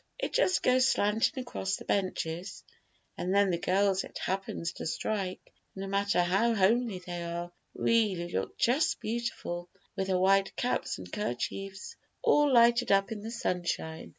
It just goes slanting across the benches, and then the girls it happens to strike, no matter how homely they are, really look just beautiful, with their white caps and kerchiefs all lighted up in the sunshine.